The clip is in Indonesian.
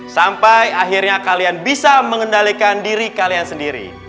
sampai akhirnya kalian bisa mengendalikan diri kalian sendiri